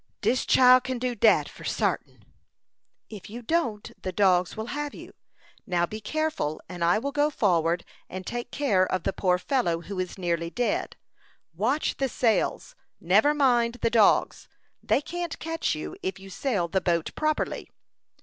"Dis chile kin do dat, for sartin." "If you don't the dogs will have you. Now, be careful, and I will go forward, and take care of the poor fellow, who is nearly dead. Watch the sails; never mind the dogs; they can't catch you, if you sail the boat properly."